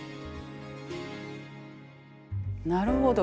なるほど。